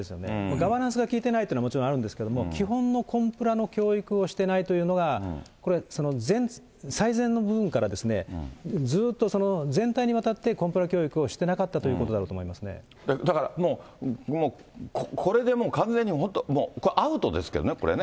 ガバナンスが効いてないっていうのがもちろんあるんですけれども、基本のコンプラの教育をしてないというのが、これ、最前の部分からずっと全体にわたってコンプラ教育をしてなかっただからもう、これでもう完全に、もうアウトですけどね、これね。